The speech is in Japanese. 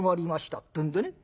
ってんでね